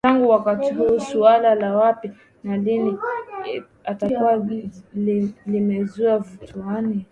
Tangu wakati huo suala la wapi na lini atazikwa limezua mivutano